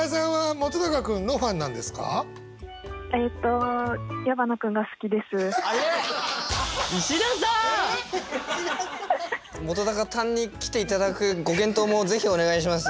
本担に来て頂くご検討もぜひお願いします。